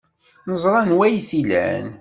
Neẓra anwa ay t-ilan.